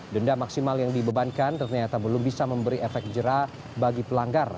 denda maksimal yang dibebankan ternyata belum bisa memberi efek jerah bagi pelanggar